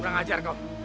kurang ajar kau